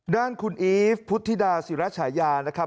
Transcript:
ด้านคุณอีฟพุทธิดาศิรฉายานะครับ